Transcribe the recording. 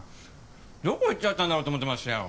どこ行っちゃったんだろうと思ってましたよ